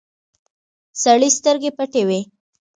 سړي سترګې پټې وې.